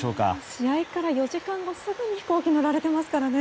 試合から４時間後すぐに飛行機乗られてますからね。